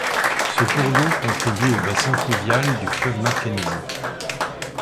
Ce cours d'eau contribue au bassin fluvial du fleuve Mackenzie.